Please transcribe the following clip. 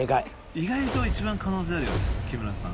意外と一番可能性あるよね木村さん。